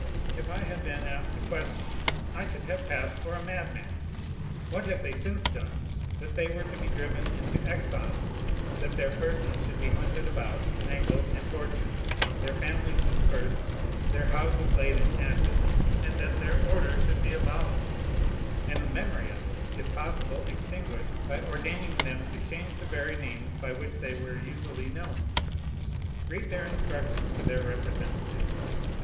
If I had then asked the question, I should have passed for a madman. What have they since done, that they were to be driven into exile, that their persons should be hunted about, mangled, and tortured, their families dispersed, their houses laid in ashes, and that their order should be abolished, and the memory of it, if possible, extinguished, by ordaining them to change the very names by which they were usually known? Read their instructions to their representatives.